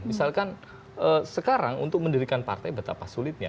misalkan sekarang untuk mendirikan partai betapa sulitnya